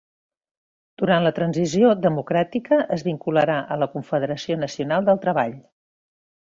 Durant la Transició democràtica es vincularà a la Confederació Nacional del Treball.